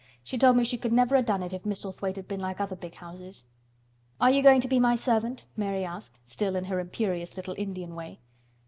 She told me she could never have done it if Misselthwaite had been like other big houses." "Are you going to be my servant?" Mary asked, still in her imperious little Indian way.